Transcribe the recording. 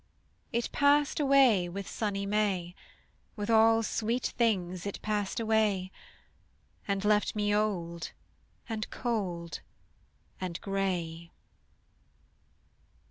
It passed away with sunny May, With all sweet things it passed away, And left me old, and cold, and gray.